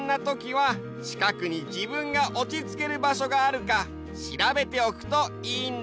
はちかくに自分がおちつける場所があるかしらべておくといいんだよ。